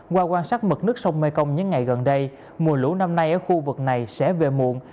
qua quan sát mực nước sông mekong những ngày gần đây mùa lũ năm nay ở khu vực này sẽ về muộn